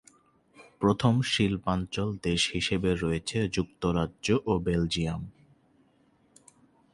প্রথম শিল্পাঞ্চল দেশ হিসেবে রয়েছে যুক্তরাজ্য ও বেলজিয়াম।